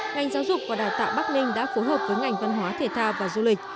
ngành giáo dục và đào tạo bắc ninh đã phối hợp với ngành văn hóa thể thao và du lịch